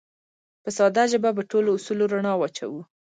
په ساده ژبه به په ټولو اصولو رڼا واچوو